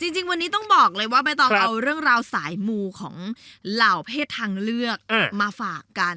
จริงวันนี้ต้องบอกเลยว่าใบตองเอาเรื่องราวสายมูของเหล่าเพศทางเลือกมาฝากกัน